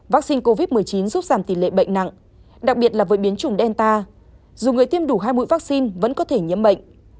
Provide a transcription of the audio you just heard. vaccine covid một mươi chín giúp giảm tỷ lệ bệnh nặng đặc biệt là với biến chủng delta dù người tiêm đủ hai mũi vaccine vẫn có thể nhiễm bệnh